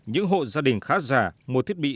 những hộ gia đình khá già mua thiết bị